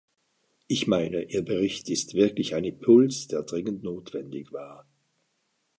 Ich meine, Ihr Bericht ist wirklich ein Impuls, der dringend notwendig war.